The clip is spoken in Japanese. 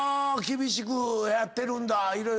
厳しくやってるんだ。